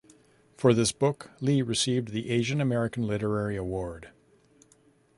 For this book, Lee received the Asian American Literary Award.